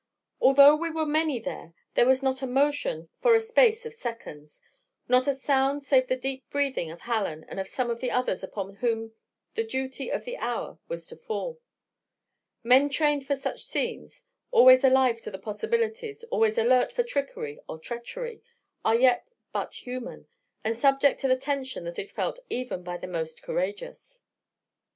Although we were many there, there was not a motion for a space of seconds not a sound save the deep breathing of Hallen and of some of the others upon whom the duty of the hour was to fall. Men trained for such scenes always alive to the possibilities, always alert for trickery or treachery are yet but human, and subject to the tension that is felt even by the most courageous.